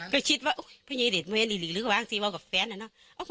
ก็คิดว่าอุ๊ยพี่เยดิดไม่ได้หรือหรือว่างสิว่ากับแฟนอ่ะเนาะ